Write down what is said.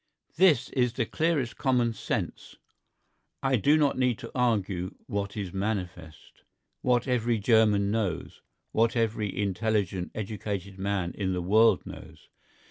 This is the clearest common sense. I do not need to argue what is manifest, what every German knows, what every intelligent educated man in the world knows.